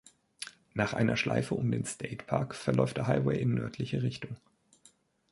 Nach einer Schleife um den State Park verläuft der Highway in nördlicher Richtung.